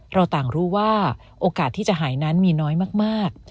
เราต่างรู้ว่าโอกาสที่จะหายนั้นมีน้อยมาก